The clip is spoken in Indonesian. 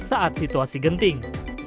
saat situasi genting